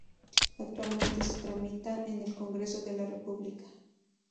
Actualmente se tramita en el Congreso de la República.